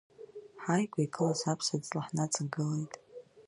Ҳааигәа игылаз аԥса-ҵла ҳнаҵагылеит.